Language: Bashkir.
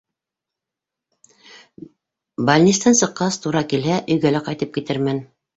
Больнистән сыҡҡас, тура килһә, өйгә лә ҡайтып китермен.